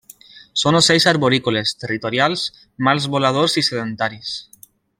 Són ocells arborícoles, territorials, mals voladors i sedentaris.